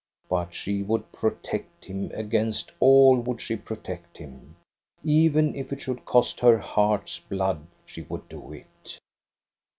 But she would protect him; against all would she protect him. Even if it should cost her heart's blood, she would do it.